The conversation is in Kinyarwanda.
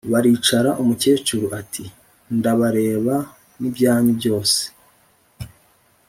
Baricara umukecuru ati"ndabareba nibyanyu byose